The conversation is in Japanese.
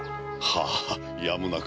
はあやむなく。